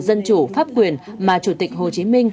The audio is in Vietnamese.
dân chủ pháp quyền mà chủ tịch hồ chí minh